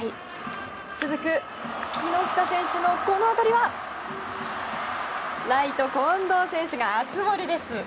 続く木下選手のこの当たりはライト、近藤選手が熱盛です。